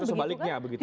sebaliknya begitu ya